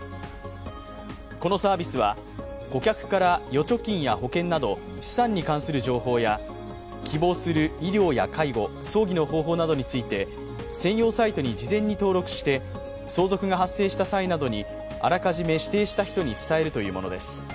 このサービスは、顧客から預貯金や保険など資産に関する情報や希望する医療や介護、葬儀の方法などについて専用サイトに事前に登録して、相続が発生した際などにあらかじめ指定した人に伝えるというものです。